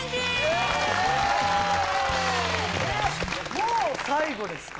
えっもう最後ですか？